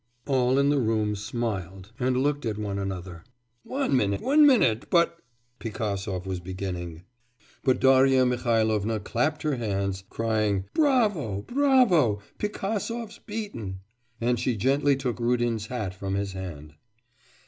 All in the room smiled and looked at one another. 'One minute, one minute, but ,' Pigasov was beginning. But Darya Mihailovna clapped her hands crying, 'Bravo, bravo, Pigasov's beaten!' and she gently took Rudin's hat from his hand.